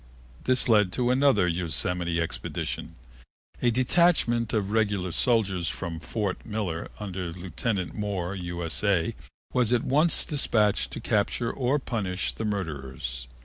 This led to another Yosemite expedition. A detachment of regular soldiers from Fort Miller under Lieutenant Moore, U.S.A., was at once dispatched to capture or punish the murderers.